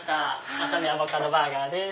ワサビアボカドバーガーです。